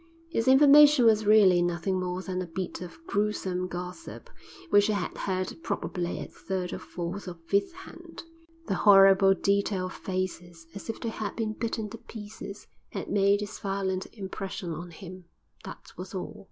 His information was really nothing more than a bit of gruesome gossip, which he had heard probably at third or fourth or fifth hand. The horrible detail of faces "as if they had been bitten to pieces" had made its violent impression on him, that was all.